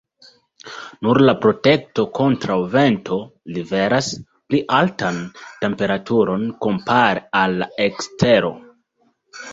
Nur la protekto kontraŭ vento „liveras“ pli altan temperaturon kompare al la ekstero.